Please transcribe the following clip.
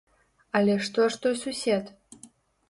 Але што ж той сусед?